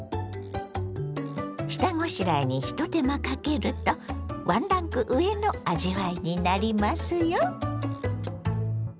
下ごしらえに一手間かけるとワンランク上の味わいになりますよ！